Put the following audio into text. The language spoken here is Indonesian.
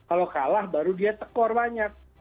kalau kalah baru dia tekor banyak